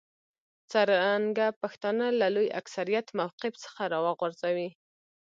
څرنګه پښتانه له لوی اکثریت موقف څخه راوغورځوي.